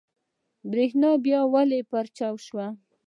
برېښنا بيا ولې پرچاو شوه؟